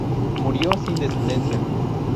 Murió sin descendencia.